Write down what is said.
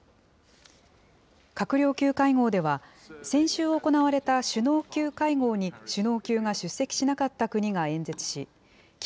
閣僚級会合では、先週行われた首脳級会合に首脳級が出席しなかった国が演説し、気